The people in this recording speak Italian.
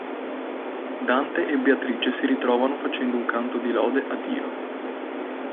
Dante e Beatrice si ritrovano facendo un canto di lode a Dio.